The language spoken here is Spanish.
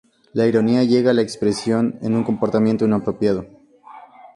La ironía llega a la expresión en un comportamiento inapropiado.